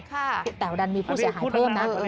แต่วันนั้นมีผู้เสียหายเพิ่มนะ